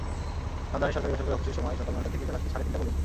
রমজানে সরকারি-বেসরকারি অফিসের সময় সকাল নয়টা থেকে বেলা সাড়ে তিনটা পর্যন্ত।